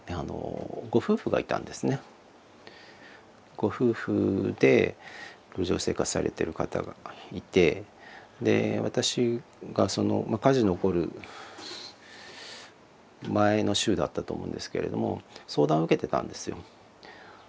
ご夫婦で路上生活されてる方がいてで私が火事の起こる前の週だったと思うんですけれども相談を受けてたんですよ。